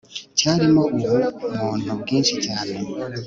cyarimo ubu muntu bwinshi cyane